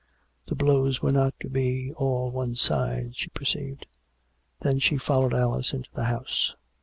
The blows were not to be all one side, she perceived. Then she followed Alice into the house.